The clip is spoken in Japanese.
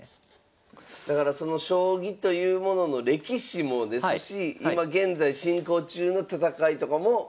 だからその将棋というものの歴史もですし今現在進行中の戦いとかも全部面白いわけですね。